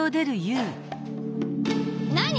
なに？